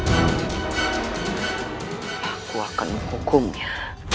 aku akan menghukumnya